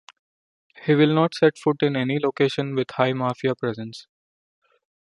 He will not set foot in any location with high Mafia presence.